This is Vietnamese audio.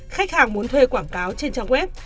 khách hàng muốn thuê quảng cáo trên trang web